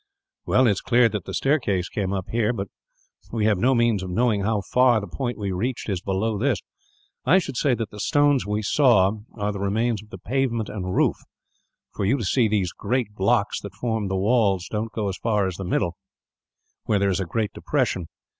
"Well, it is clear that the staircase came up here; but we have no means of knowing how far the point we reached is below this. I should say that the stones we saw are the remains of the pavement and roof, for you see these great blocks that formed the walls don't go as far as the middle, where there is a great depression.